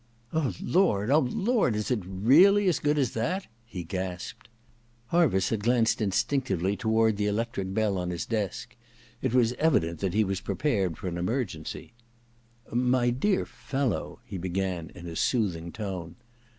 ^ Oh Lx)rd, oh Lord — is it really as good as that ?• Harviss had glanced instinctively toward the electric bell on his desk ; he was evidently pre pared for an emergency. * My dear fellow ' he began in a soothing tone.